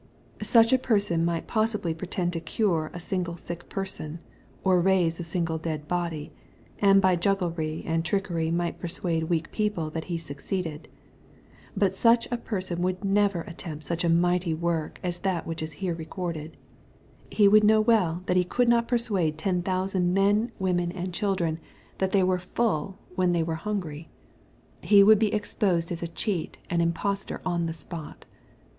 Such a person might possibly pretend to cure a single sick person, or raise a single dead body. — ^and by jugglery and trickery might persuade weak people that he succeeded. But such a person would never attempt such a mighty work as that which is here recorded. He would know well that he could not persuade ten thousand men, women, and cbil MATTHEW, CHAP. XIV. 163 dren that they were fall when they were hungry. He would be exposed as a cheat and impostor on the spot.